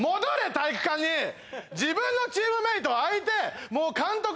体育館に自分のチームメイト相手監督